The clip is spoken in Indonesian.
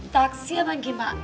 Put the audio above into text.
taksi apa lagi mbak